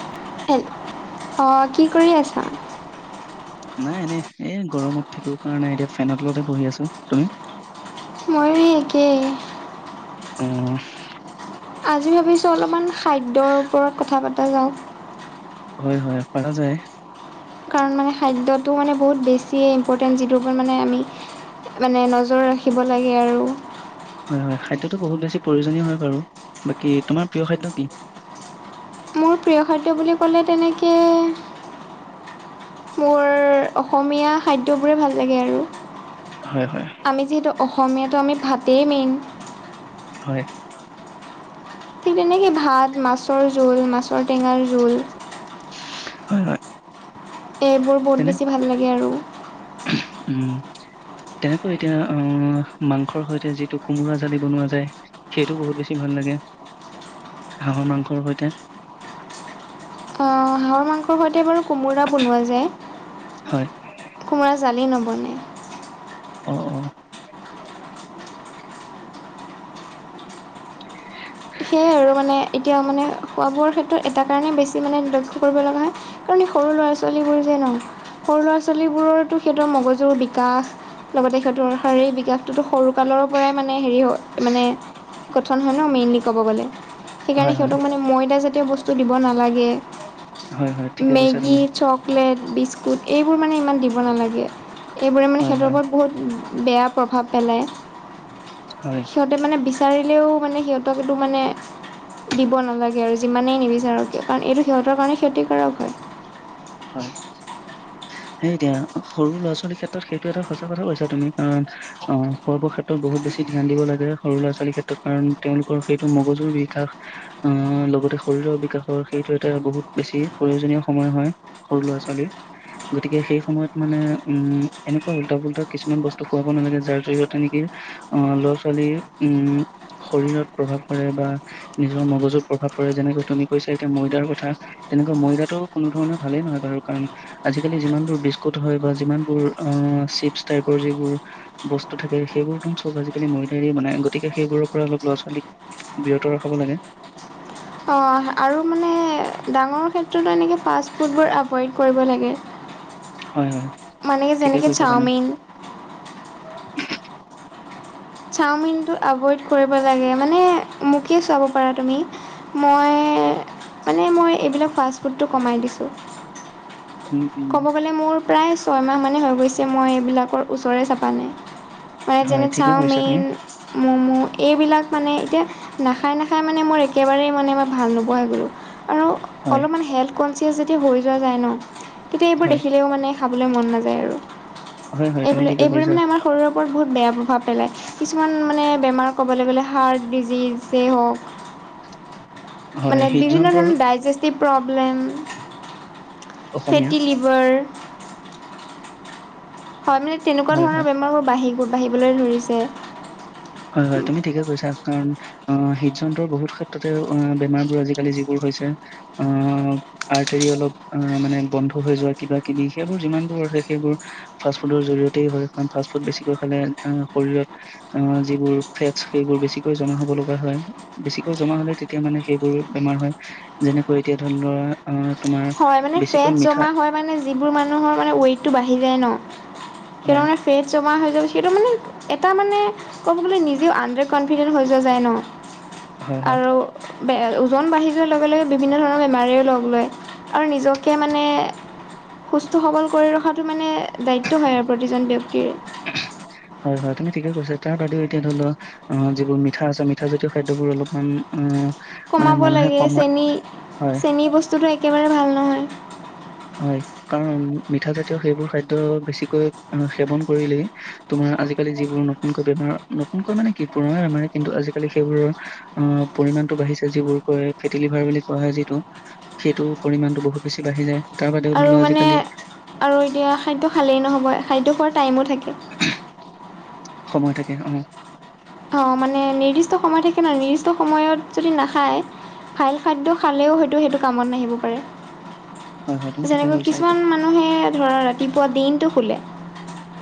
[unintelligible] Hello অঁ কি কৰি আছা? নাই এনেই এই গৰমত থাকিব পৰা নাই এতিয়া ফেনৰ তলতে বহি আছোঁ, তুমি মইয়ো একেই উম আজি ভাবিছোঁ অলপমান খাদ্যৰ ওপৰত কথা পতা যাওঁ হয় হয় পাৰা যায় কাৰণ মানে খাদ্যটো মানে বহুত বেছিয়ে ইম্পৰ্টেণ্ট যিটোৰ ওপৰত মানে আমি মানে নজৰ ৰাখিব লাগে আৰু হয় হয় খাদ্যটো বহুত বেছি প্ৰয়োজনীয় হয় বাৰু বাকী তোমাৰ প্ৰিয় খাদ্য কি মোৰ প্ৰিয় খাদ্য বুলি ক'লে তেনেকে মোৰ অসমীয়া খাদ্যবোৰে ভাল লাগে আৰু হয় হয় আমি যিহেতু অসমীয়াটো আমি ভাতেই মেইন হয় ঠিক তেনেকে ভাত মাছৰ জোল মাছৰ টেঙাৰ জোল হয় হয় এইবোৰ বহুত তেনে বেছি ভাল লাগে আৰু উম তেনেকৈ এতিয়া অ মাংসৰ সৈতে যিটো কোমোৰা জালি বনোৱা যায় সেইটো বহুত বেছি ভাল লাগে হাঁহৰ মাংসৰ সৈতে হাঁহৰ মাংস সৈতে বাৰু কোমোৰা বনোৱা যায় হয় কোমোৰা জালি নবনে অ অ সেয়াই আৰু মানে এতিয়া মানে খোৱা বোৱাৰ ক্ষেত্ৰত এটা কাৰণে বেছি মানে লক্ষ্য কৰিব লগা হয় কাৰণে সৰু ল'ৰা ছোৱালীবোৰ যে ন সৰু ল'ৰা ছোৱালীবোৰৰো সিহঁতৰ মগজুৰ বিকাশ লগতে সিহঁতৰ শাৰীক বিকাশটো সৰুকালৰ পৰাই মানে হেৰি হয় মানে গঠন হয় ন মেইনলি ক'ব গ'লে সেইকাৰণে হয় হয় সিহঁতক মানে মই দা জাতিয় বস্তু দিব নালাগে হয় হয় ঠিকে কৈছা মেগী তুমি চ লেট বিস্কুট এইবোৰ মানে ইমান দিব নালাগে এইবোৰে মানে হয় সিহঁৰ হয় ওপৰত বহুত বেয়া প্ৰভাৱ পেলায় হয় সিহঁতে মানে বিচাৰিলেও মানে সিহঁতক এইটো মানে দিব নালাগে আৰু যিমানেই নিবিচাৰো কিয় কাৰণ এইটো সিহঁতৰ কাৰণে ক্ষতিকাৰক হয় হয় সেই এতিয়া সৰু ল'ৰা ছোৱালীৰ ক্ষেত্ৰত সেইটো এটা সচাঁ কথা কৈছা তুমি কাৰণ অ খোৱা বোৱা ক্ষেত্ৰত বহুত বেছি ধ্যান দিব লাগে সৰু ল'ৰা ছোৱালীৰ ক্ষেত্ৰত কাৰণ তেওঁলোকৰ সেইটো মগজুৰ বিকাশ আহ লগতে শৰীৰৰ বিকাশৰ সেইটো এটা বহুত বেছি প্ৰয়োজনীয় সময় হয় সৰু ল'ৰা ছোৱালীৰ গতিকে সেই সময়ত মানে উম এনেকুৱা উল্টাফুল্টা কিছুমান বস্তু খোৱাব নালাগে যাৰ জৰিয়তে নেকি আহ, ল'ৰা-ছোৱালীৰ উম, শৰীৰত প্ৰভাৱ পৰে বা নিজৰ মগজত প্ৰভাৱ পৰে, যেনেকৈ তুমি কৈছা এতিয়া ময়দাৰ কথা, তেনেকুৱা ময়দাতো কোনো ধৰণৰ ভালেই নহয়, বাৰু কাৰণ আজিকালি যিমানবোৰ বিস্কুট হয় বা যিমানবোৰ আহ, চিপছ টাইপৰ যিবোৰ বস্তু থাকে, সেইবোৰতোন চ'ব আজিকালি ময়দাৰে বনায়, গতিকে সেইবোৰৰ পৰা অলপ লৰা-ছোৱালীক বিৰত ৰখাব লাগে। অ' আৰু মানে, ডাঙৰ ক্ষেত্ৰতো এনেকৈ ফাষ্ট ফুডবোৰ এভইড কৰিব লাগে। হয় হয় মানে ঠিকে যেনেকে, কৈছা তুমি চাওমিন। চাওমিনটো এভইড কৰিব লাগে, মানে মোকে চাব পাৰা তুমি। মই মানে, মই এইবিলাক ফাষ্টফুডটো কমাই দিছোঁ। উম উম ক'ব গ'লে মোৰ প্ৰায় ছয় মাহ মানেই হৈ গৈছে, মই এইবিলাকৰ ওচৰৰে চপা নাই। মানে হয় যেনে, ঠিকে কৈছা তুমি চাওমিন ম'ম' এইবিলাক মানে এতিয়া নাখায়, নাখায়, মানে মোৰ একেবাৰেই মানে মই ভাল নোপোৱাই গ'ল আৰু হয় অলপমান হেল্থ কনচিয়াছ যেতিয়া হৈ যোৱা যায় ন, তেতিয়া এইবোৰ হয় দেখিলেই মানে খাবলৈ মন নাযায় আৰু এইবো, হয় হয় তুমি ঠিকে কৈছা এইবোৰে আমাৰ শৰীৰৰ ওপৰত বহুত বেয়া প্ৰভাৱ পেলায়। কিছুমান মানে বেমাৰ ক'বলৈ গ'লে, হাৰ্ট ডিজিজেই হ'ওক। হয় মানে বিভিন্ন হৃদযন্ত্ৰৰ ডাইজেষ্টিভ প্ৰব্লেম, অসমীয়া ফেতি লিভাৰ। হয়, মানে তেনেকুৱা হয় ধৰণৰ হয় বেমাৰবোৰ বাঢ়ি‌-বাঢ়িবলৈ ধৰিছে। হয়, হয়, তুমি ঠিকে কৈছা। কাৰণ অ, হৃদযন্ত্ৰ বহুত ক্ষেত্ৰতে অ, বেমাৰবোৰ আজিকালি যিবোৰ হৈছে। অ, আৰ্টৰী অলপ মানে বন্ধ হৈ যোৱা কিবা-কিবি সেইবোৰ যিমানবোৰ আছে সেইবোৰ ফাষ্ট ফুডৰ জৰিয়তে হয় কাৰণ ফাষ্ট-ফুড বেছিকৈ খালে শৰীৰত অ, যিবোৰ ফেটচ, সেইবোৰ বেছিকৈ জমা হ'ব লগা হয়। বেছিকৈ জমা হ'লে, তেতিয়া মানে সেইবোৰ বেমাৰ হয়, যেনেকৈ এতিয়া ধৰি লোৱা আহ, তোমাৰ, হয় মানে ফেট বেছিকৈ জমা মিঠা হয় মানে যিবোৰ মানুহৰ মানে ৱেতটো বাঢ়ি যায় ন, সেইটো হয় মানে ফেটচ জমা হৈ যাব, সেইটো মানে এটা মানে ক'ব গ'লে নিজেও আন্দাৰ কনফিডেন্ট হৈ যোৱা যায় ন। হয় হয় আৰু ওজন বাঢ়ি যোৱাৰ লগে, লগে বিভিন্ন ধৰণৰ বেমাৰেও লগ লয়। আৰু নিজকে মানে সুস্থ সৱল কৰি ৰখাটো মানে দায়িত্ব হয় আৰু প্ৰতিজন ব্যক্তিৰ। হয়, হয়, তুমি ঠিকে কৈছা তাৰ বাদেও এতিয়া ধৰি লোৱা। অ, যিবোৰ মিঠা আছে, মিঠা জাতীয় খাদ্যবোৰ অলপমান অ, কমাব লাগে, হয়, চেনী-চেনী বস্তুটো একেবাৰে ভাল নহয়। হয়, কাৰণ মিঠা জাতীয় সেইবোৰ খাদ্য বেছিকৈ সেৱন কৰিলেই, তোমাৰ আজিকালি যিবোৰ নতুনকৈ বেমাৰ নতুনকৈ মানে কি পুৰণা বেমাৰে, কিন্তু আজিকালি সেইবোৰৰ অ, পৰিমাণটো বাঢ়িছে, যিবোৰ কয় ফেটি লিভাৰ বুলি কোৱা হয় যিটো। সেইটো পৰিমাণটো বহুত বেছি বাঢ়ি যায়, তাৰ বাদেও ধৰি আৰু লোৱা মানে আজিকালি আৰু এতিয়া খাদ্য খালেই নহ'ব, খাদ্য খোৱাৰ টাইমো থাকে। [inaudible] সময় থাকে। অ, অ, মানে নিৰ্দিষ্ট সময় থাকে ন, নিৰ্দিষ্ট সময়ত যদি নাখায়। ভাল খাদ্য খালেও হয়তো সেইটো কামত নাহিব পাৰে, হয় তুমি ঠিকে যেনেকৈ কৰিছা এইটো। কিছুমান মানে অ, সেয়াই ধৰা ৰাতিপুৱা দিনটো শুলে।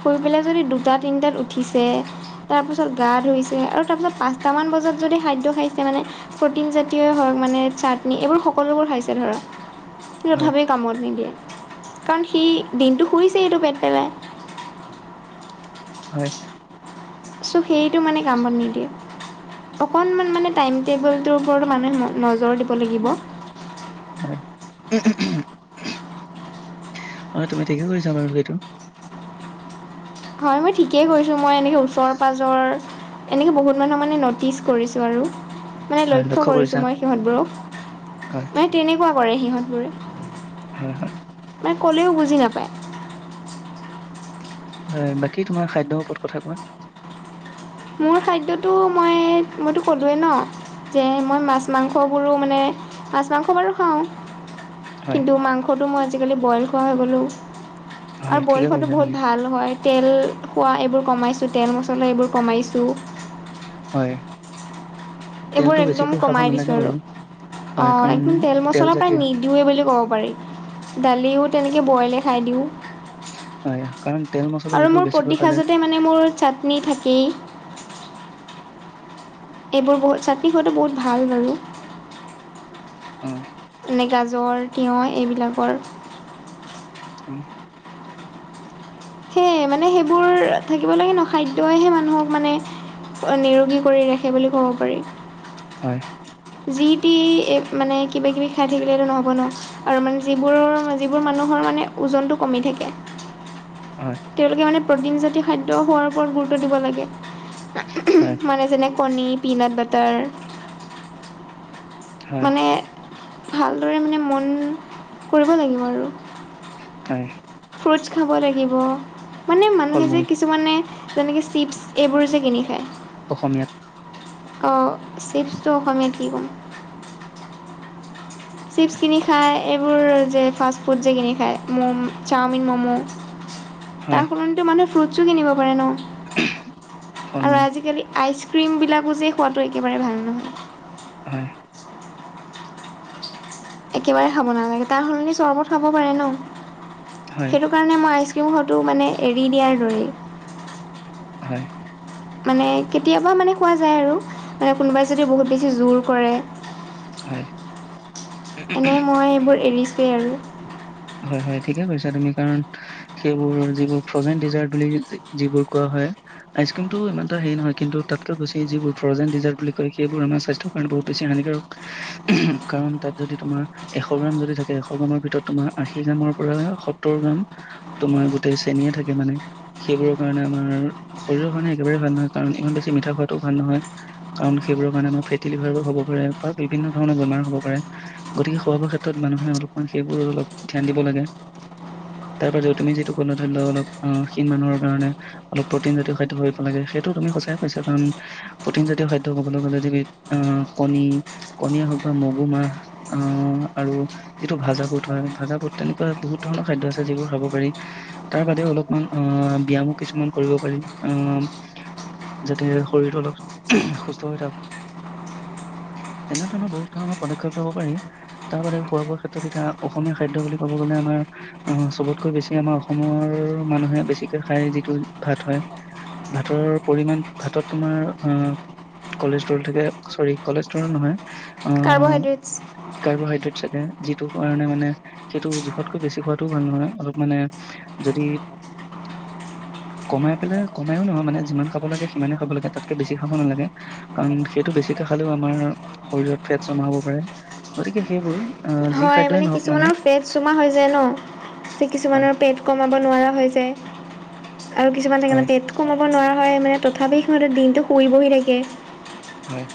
শুই পেলাই যদি দুটা তিনটাত উঠিছে তাৰপিছত। গা ধুইছে আৰু তাৰপিছত পাঁচটামান বজাত যদি খাদ্য খাইছে মানে। প্ৰটিন জাতীয়ই হওঁক মানে চাটনি এইবোৰ সকলোবোৰ খাইছে ধৰা। কিন্ত হয়, তথাপি কামত নিদিয়ে কাৰণ সি দিনটো শুইছেই টো পেট পেলাই। হয়। চ' সেইটো মানে কামত নিদিয়ে। অকণমান মানে টাইম টেবুলটোৰ ওপৰতো মানুহে নজৰ দিব লাগিব। হয়। হয় তুমি ঠিকে কৈছা বাৰু সেইটো। হয় মই ঠিকেই কৈছো। মই এনেকে ওচৰ পাজৰ। এনেকে বহুত মানুহ মানে ন'টিচ কৰিছোঁ আৰু মানে হয় লক্ষ্য কৰিছো কৰিছা মই সিহঁতবোৰক। হয়। মানে। তেনেকুৱা কৰে সিহঁতবোৰে হয়, হয়, মানে কলেও বুজি নাপায়। হয়। বাকী তোমাৰ খাদ্যৰ ওপৰত কথা কোৱা। মোৰ খাদ্যটো মই মইতো ক'লোঁৱেই ন'। যে মই মাছ, মাংসবোৰো মানে মাছ, মাংস বাৰু খাওঁ। হয়, কিন্তু মাংসটো মই আজিকালি বইল খোৱা হৈ গ'লোঁ। হয়, আৰু বইল ঠিকে খোৱাটো কৰিছা বহুত তুমি। ভালও হয়। তেল খোৱা এইবোৰ কমাইছোঁ। তেল মছলা এইবোৰ কমাইছোঁ। হয়। এইবোৰ তেলটো একদম বেছিকৈ খাব কমাই দিছোঁ নালাগে আৰু। বাৰু। অ', হয়, কাৰণ একদম তেল মছলা প্ৰায় নি দিওঁয়ে বুলি ক'ব পাৰি। দালিও তেনেকে বইলে খাই দিওঁ। হয়। কাৰণ তেল মছলা আৰু মোৰ এইবোৰ প্ৰতি বেছিকৈ খালে সাঁজতে মানে মোৰ চাটনি থাকেই। এইবোৰ বহুত, চাটনি খোৱাতো বহুত ভাল বাৰু। অ', যেনে গাজৰ, তিঁয়হ এইবিলাকৰ অ', সেয়ে, মানে সেইবোৰ থাকিব লাগে ন। খাদ্যইহে মানুহক মানে নিৰোগী কৰি ৰাখে বুলি ক'ব পাৰি। হয়। যিটি, এই মানে কিবা কিবি খাই থাকিলেটো নহ'ব ন। আৰু মানে যিবোৰৰ, যিবোৰ মানুহৰ মানে ওজনটো কমি থাকে হয়, তেওঁলোকে মানে প্ৰটিন জাতীয় খাদ্য খোৱাৰ ওপৰত গুৰুত্ব দিব লাগে। হয়। মানে যেনে কণী, পিনাট বাটাৰ। হয়, মানে, ভালদৰে মানে, মন কৰিব লাগিব আৰু। হয়। ফ্ৰুটছ খাব লাগিব। মানে মানুহে যে ফল-মূল কিছুমানে যেনেকে চিপছ এইবোৰ যে কিনি খায়। অসমীয়াত? অ', চিপছটো অসমীয়া কি ক'ম? চিপছ কিনি খায়। এইবোৰ যে, ফাষ্ট ফুড যে কিনি খায়। মম, চাওমিন, ম'ম। তাৰ হয়, সলনিটো মানুহে ফ্ৰুটছো কিনিব পাৰে ন? আৰু ফল-মূল আজিকালি আইচক্ৰীম বিলাকো যে খোৱাটো একেবাৰে ভাল নহয়। হয়। একেবাৰে খাব নালাগে, তাৰ সলনি চৰবত খাব পাৰে ন'? হয়, সেইটো কাৰণে মই আইচক্ৰীম খোৱাটো মানে এৰি দিয়াৰ দৰেই। হয়। মানে, কেতিয়াবা মানে খোৱা যায় আৰু। মানে কোনোবাই যদি বহুত বেছি জোৰ কৰে। হয়, এনেই মই এইবোৰ এৰিছোৱে আৰু। হয়, হয়, ঠিকে কৈছা তুমি কাৰণ সেইবোৰ, যিবোৰ ফ্ৰজেন ডিজাৰ্ট বুলি, যিবোৰ কোৱা হয়। আইচক্ৰীমটো ইমানটা হেৰি নহয়। কিন্তু তাতকৈ বেছি যিবোৰ ফ্ৰজেন ডিজাৰ্ট বুলি কয়, সেইবোৰ আমাৰ স্বাস্থ্যৰ কাৰণে বহুত বেছি হানিকাৰক। কাৰণ তাত যদি তোমাৰ এশ গ্ৰাম যদি থাকে, এশ গ্ৰামৰ ভিতৰত তোমাৰ আশী গ্ৰামৰ পৰা সত্তৰ গ্ৰাম, তোমাৰ গোটেই চেনিয়ে থাকে মানে। সেইবোৰৰ কাৰণে আমাৰ, শৰীৰৰ কাৰণে একেবাৰে ভাল নহয়। কাৰণ ইমান বেছি মিঠা খোৱাটোও ভাল নহয়। কাৰণ সেইবোৰৰ কাৰণে আমাৰ ফেটি লিভাৰো হ'ব পাৰে, বা বিভিন্ন ধৰণৰ বেমাৰ হ'ব পাৰে। গতিকে খোৱা-বোৱা ক্ষেত্ৰত, মানুহে অলপমান সেইবোৰ অলপ ধ্যান দিব লাগে। তাৰ পাছত তুমি যিটো ক'লা, ধৰি লও অলপ, অ', ক্ষীণ মানুহৰ কাৰণে অলপ প্ৰটিনজাতীয় খাদ্য [unintelligible] লাগে, সেইটো তুমি সঁচাই কৈছা কাৰণ প্ৰটিনজাতীয় খাদ্য ক'বলৈ গ'লে [unintelligible] আহ, কণী কণীয়ে হওক বা মগু মাহ, আহ, আৰু যিটো ভাজা বুট হয়। ভাজা বুট তেনেকুৱা বহুত ধৰণৰ খাদ্য আছে, যিবোৰ খাব পাৰি। তাৰ বাদে অলপমান আহ, ব্যায়ামো কিছুমান কৰিব পাৰি। আহ, যাতে শৰীৰটো অলপ সুস্থ হৈ থাকে। তেনেধৰণৰ বহুত ধৰণৰ পদক্ষেপ ল'ব পাৰি। তাৰ বাদে খোৱা-বোৱাৰ ক্ষেত্ৰত এতিয়া অস অসমীয়া খাদ্য বুলি ক'ব গ'লে আমাৰ। আহ, চবতকৈ বেছি আমাৰ অসমৰ মানুহে বেছিকে খাই যিটো ভাত হয়। ভাতৰৰ পৰিমাণ ভাতত তোমাৰ অ' কলেজট্ৰল থাকে চৰি কলেজ কলেজট্ৰল নহয়। আহ কাৰ্বহাইড্ৰেটছ। কাৰ্বহাইড্ৰেট থাকে যিটো কাৰণে মানে সেইটো জোখতকৈ বেছি খোৱাতটো ভাল নহয়, অলপ মানে যদি কমাই পেলাই কমায়ো নহয়, মানে যিমান খাব লাগে সিমানে খাব লাগে তাতকে বেছি খাব নালাগে। কাৰণ সেইটো বেছিকে খালেও আমাৰ শৰীৰত ফেট জমা হ'ব পাৰে। গতিকে সেইবোৰ। আহ যি হয়, খাদ্যই মানে নহওক কিছুমানৰ ফেটচ জমা হৈ যায় ন', যে হয় কিছুমানৰ পেট কমাব নোৱাৰা হৈ যায়। আৰু কিছুমান থাকে হয় মানে পেট কমাব নোৱাৰা হয়, মানে তথাপি সিহঁতে দিনটো শুইবহি থাকে। হয়।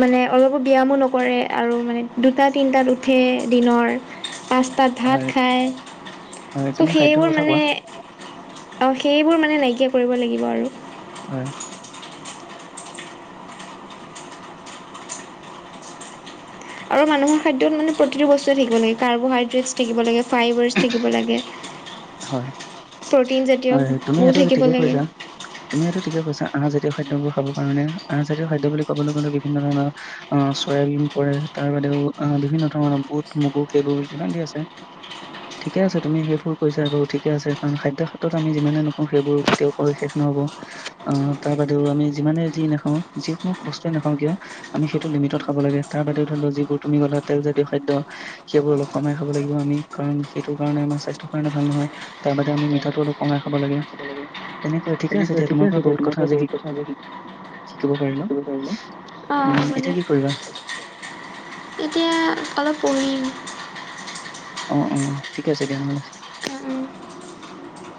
মানে অলপো ব্যায়ামো নকৰে আৰু মানে দুটা তিনটাত উঠে। দিনৰ পাঁচতাত ভাত হয় খায় হয় চ' তুমি খাদ্যৰ সেইবোৰ কথা কোৱা মানে অ', সেইবোৰ মানে নাইকিয়া কৰিব লাগিব আৰু। হয়। আৰু মানুহৰ খাদ্যত মানে প্ৰতিটো বস্তুৱে থাকিব কাৰ্বহাইড্ৰেটছ থাকিব লাগে ফাইভাৰছ থাকিব লাগে। হয় প্ৰ'টিন জাতীয় হয় তুমি বোৰ এইটো থাকিব ঠিকে লাগে। কৈছা তুমি এইটো ঠিকে কৈছা, আহজাতীয় খাদ্যবোৰ খাবৰ কাৰণে, আহজাতীয় খাদ্য বুলি কবলৈ গ'লে বিভিন্ন ধৰণৰ অ', চয়াবিন পৰে। তাৰ বাদেও বিভিন্ন ধৰণৰ বুট, মগু, সেইবোৰ যিমান যি আছে। ঠিকে আছে তুমি সেইবোৰ কৈছা আৰু ঠিকে আছে। কাৰণ খাদ্য ক্ষেত্ৰত আমি যিমানে নকওঁ সেইবোৰ কেতিয়াও কৈ শেষ নহ'ব। অ', তাৰ বাদেও আমি যিমানে যি নাখাওঁ যিকোনো বস্তুৱে নাখাওঁ কিয়। আমি সেইটো লিমিটত খাব লাগে। তাৰ বাদেও ধৰি লও যিবোৰ তুমি কলা তেলজাতীয় খাদ্য সেইবোৰ অলপ কমাই খাব লাগিব আমি। কাৰণ সেইটো কাৰণে আমাৰ স্বাস্থ্য। [unintelligible] ভাল নহয় তাৰ বাদে আমি মিঠাটো অলপ কঙাই খাব লাগে তেনেকুৱা। তেনেকৈ ঠিক আছে দিয়া। [unintelligible] শিকিব পাৰিলো [unintelligible] অ উম হব এতিয়া দিয়া। কি কৰিবা এতিয়া অলপ পঢ়িম। অ অ ঠিক আছে দিয়া নহলে। উম উম।